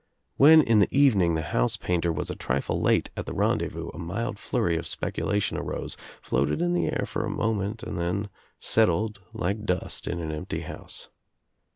When in the evening the house painter was a trifle late at the rendezvous a mild flurry of speculation arose, floated In the air for a moment and then settled like dust in an empty house.